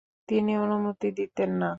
তিনি অনুমতি দিতেন না।